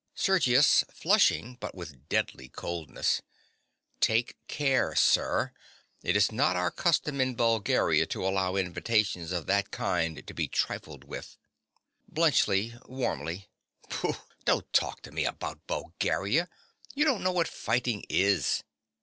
SERGIUS. (flushing, but with deadly coldness). Take care, sir. It is not our custom in Bulgaria to allow invitations of that kind to be trifled with. BLUNTSCHLI. (warmly). Pooh! don't talk to me about Bulgaria. You don't know what fighting is.